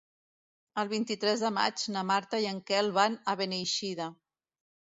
El vint-i-tres de maig na Marta i en Quel van a Beneixida.